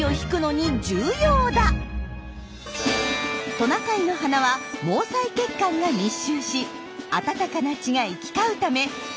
トナカイの鼻は毛細血管が密集し温かな血が行き交うためいつもぽっかぽか。